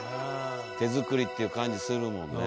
手作りっていう感じするもんね。